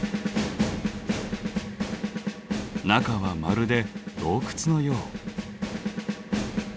中はまるで洞窟のよう。